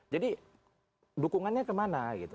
jadi dukungannya kemana